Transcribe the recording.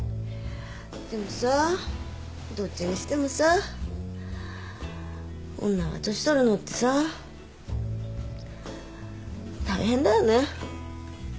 でもさどっちにしてもさ女が年取るのってさ大変だよね。